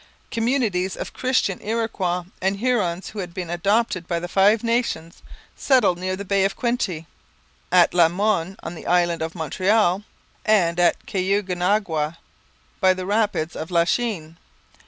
Communities of Christian Iroquois and Hurons who had been adopted by the Five Nations settled near the Bay of Quinte, at La Montagne on the island of Montreal, and at Caughnawaga by the rapids of Lachine.